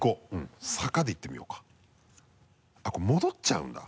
あっこれ戻っちゃうんだ。